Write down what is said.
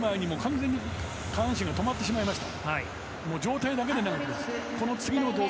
動作が止まってしまいました。